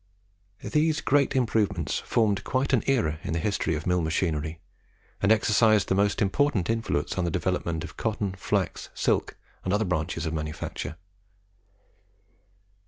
These great improvements formed quite an era in the history of mill machinery; and exercised the most important influence on the development of the cotton, flax, silk, and other branches of manufacture.